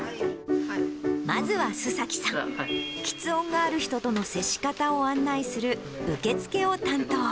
まずは周崎さん、きつ音がある人との接し方を案内する受け付けを担当。